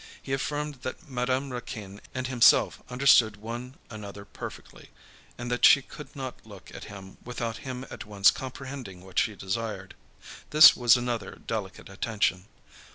He affirmed that Madame Raquin and himself understood one another perfectly; and that she could not look at him without him at once comprehending what she desired. This was another delicate attention.